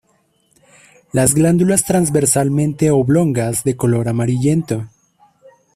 Las glándulas transversalmente oblongas, de color amarillento.